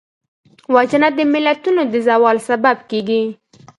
وژنه د ملتونو د زوال سبب کېږي